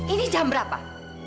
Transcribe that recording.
ini jam berapa